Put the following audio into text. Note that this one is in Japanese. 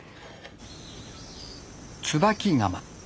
「椿窯」。